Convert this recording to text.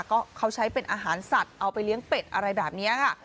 ก็เขาใช้เป็นอาหารสัตว์เอาไปเลี้ยงเป็ดอะไรแบบนี้ค่ะ